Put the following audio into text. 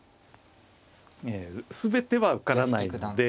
全ては受からないので。